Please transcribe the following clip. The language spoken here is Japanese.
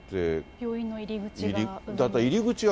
病院の入り口が。